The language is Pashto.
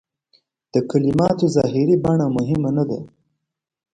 د کلماتو ظاهري بڼه مهمه نه ده.